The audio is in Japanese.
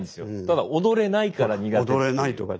ただ踊れないから苦手っていう。